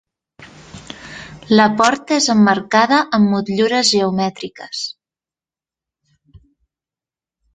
La porta és emmarcada amb motllures geomètriques.